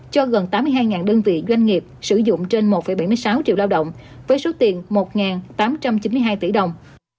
cho gần tám mươi hai đơn vị doanh nghiệp sử dụng trên một bảy mươi sáu triệu lao động với số tiền một tám trăm chín mươi hai tỷ đồng